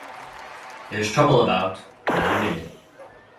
There’s trouble about and I’m in it.